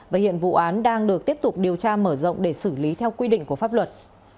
và hiện vụ án đang được tiếp tục điều tra mở rộng để xử lý theo quy định của pháp luật